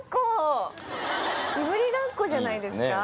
いぶりがっこじゃないですか？